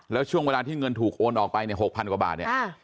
แล้วช่วงเวลาที่เงินถูกโอนออกไป๖๐๐๐กว่าบาท